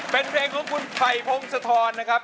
เป็นเพลงของคุณไภพงษ์สะทอนนะครับ